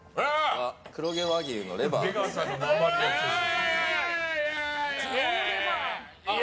黒毛和牛のレバーです。